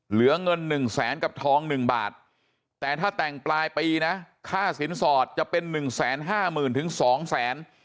เหลือเงินหนึ่งแสนกับท้องหนึ่งบาทแต่ถ้าแต่งปลายปีนะค่าสินสอดจะเป็นหนึ่งแสนห้าหมื่นถึงสองแสน